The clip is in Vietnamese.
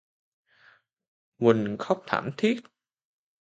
Quỳnh khóc thảm Thiết